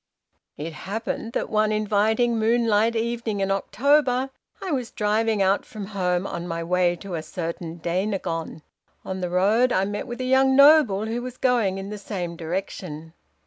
"It happened that one inviting moonlight evening in October, I was driving out from home on my way to a certain Dainagon. On the road I met with a young noble who was going in the same direction.